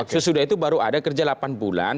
sesudah itu baru ada kerja delapan bulan